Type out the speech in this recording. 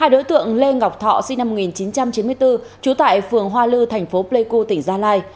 hai đối tượng lê ngọc thọ sinh năm một nghìn chín trăm chín mươi bốn trú tại phường hoa lư thành phố pleiku tỉnh gia lai